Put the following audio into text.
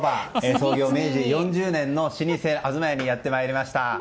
創業明治４０年の老舗、東家にやってまいりました。